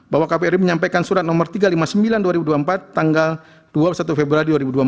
bahwa kbri menyampaikan surat nomor tiga ratus lima puluh sembilan dua ribu dua puluh empat tanggal dua puluh satu februari dua ribu dua puluh